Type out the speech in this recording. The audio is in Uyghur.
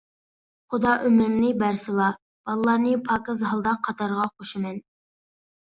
خۇدا ئۆمرۈمنى بەرسىلا بالىلارنى پاكىز ھالدا قاتارغا قوشىمەن.